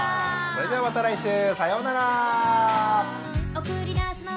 それではまた来週さようなら。